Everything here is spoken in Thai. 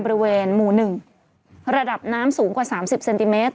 บริเวณหมู่๑ระดับน้ำสูงกว่า๓๐เซนติเมตร